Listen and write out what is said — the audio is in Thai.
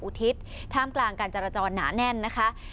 อุทิศท่ามกลางการจรจรหนาแน่นนะคะ